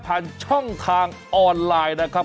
ทางช่องทางออนไลน์นะครับ